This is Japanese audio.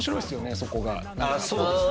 そこがそうですね